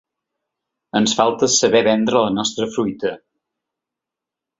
Ens falta saber vendre la nostra fruita.